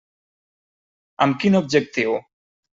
Amb quin objectiu?